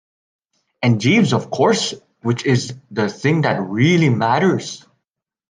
And Jeeves, of course, which is the thing that really matters.